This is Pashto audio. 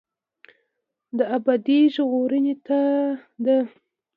دا ابدي ژغورنې ته ده.